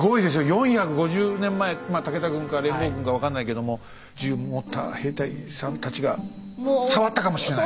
４５０年前武田軍か連合軍か分かんないけども銃を持った兵隊さんたちが触ったかもしれない。